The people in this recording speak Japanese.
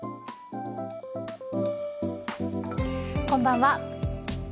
こんばんは。